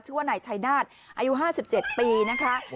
ชื่อว่านายชัยนาฏอายุ๕๗ปีนะคะ